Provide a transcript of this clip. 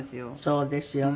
そうですね